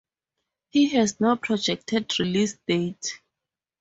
He has no projected release date.